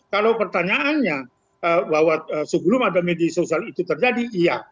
kalau pertanyaannya bahwa sebelum ada media sosial itu terjadi iya